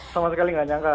sama sekali gak nyangka